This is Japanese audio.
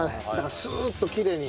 スーッときれいに。